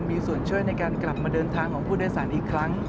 มีส่วนช่วยในการกลับมาเดินทางของผู้โดยสารอีกครั้ง